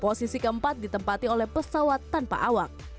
posisi keempat ditempati oleh pesawat tanpa awak